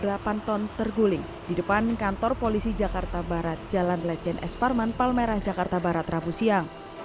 truk tronton terguling di depan kantor polisi jakarta barat jalan lejen esparman palmerah jakarta barat rabu siang